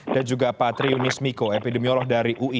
dan juga pak triunis miko epidemiolog dari ui